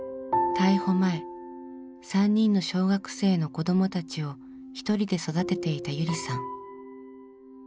逮捕前３人の小学生の子どもたちを一人で育てていたゆりさん。